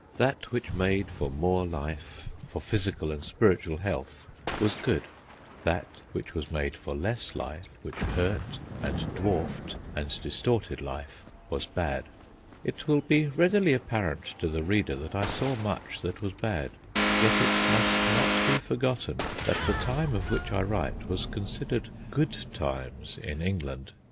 That which made for more life, for physical and spiritual health, was good; that which made for less life, which hurt, and dwarfed, and distorted life, was bad. It will be readily apparent to the reader that I saw much that was bad. Yet it must not be forgotten that the time of which I write was considered "good times" in England.